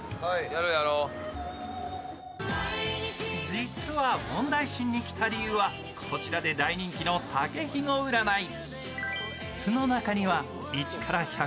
実は、ウォンダイシンに来た理由はこちらで大人気の竹ひご占い。